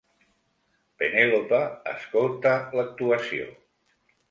Penelope escolta l'actuació.